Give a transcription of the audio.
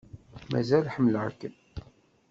Mazal ḥemmleɣ-kem.